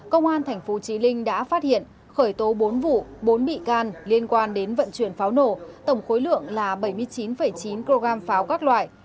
công an tp chí linh đã phát hiện khởi tố bốn vụ bốn bị can liên quan đến vận chuyển pháo nổ tổng khối lượng là bảy mươi chín chín kg pháo các loại